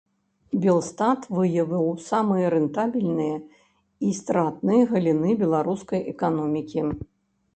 Белстат выявіў самыя рэнтабельныя і стратныя галіны беларускай эканомікі.